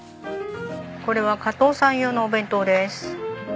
これは加藤さん用のお弁当です。